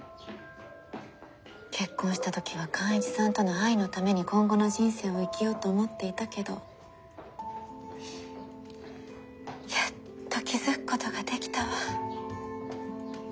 結婚した時は寛一さんとの愛のために今後の人生を生きようと思っていたけどやっと気付くことができたわ。